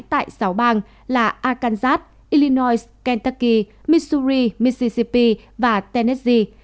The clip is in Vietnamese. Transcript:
tại sáu bang là arkansas illinois kentucky missouri mississippi và tennessee